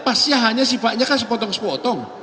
pasti hanya sifatnya kan sepotong sepotong